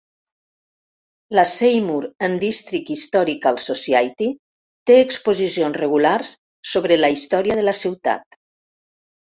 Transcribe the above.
La "Seymour and District Historical Society" té exposicions regulars sobre la història de la ciutat.